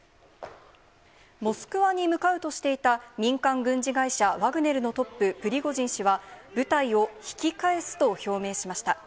モスクワに向かうとしていた民間軍事会社、ワグネルのトップ、プリゴジン氏は、部隊を引き返すと表明しました。